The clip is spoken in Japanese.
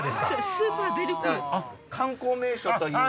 スーパーベルク。